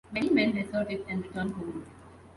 Many men deserted and returned home.